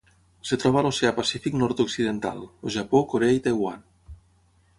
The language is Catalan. Es troba a l'Oceà Pacífic nord-occidental: el Japó, Corea i Taiwan.